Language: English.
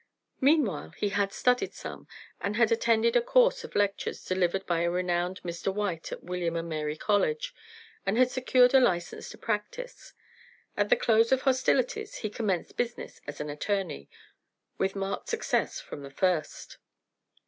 Meanwhile he had studied some, and had attended a course of lectures delivered by the renowned Mr Wythe at William and Mary College, and had secured a license to practice. At the close of hostilities he commenced business as an attorney; with marked success from the first.